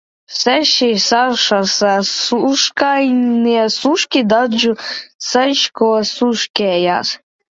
Seši sašas sušķainie sušķi dadžu saišķos sušķējas.